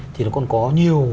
thì nó còn có nhiều